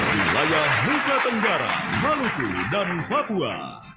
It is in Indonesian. wilayah nusa tenggara maluku dan papua